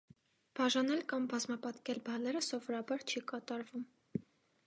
Բաժանել կամ բազմապատկել բալերը սովորաբար չի կատարվում։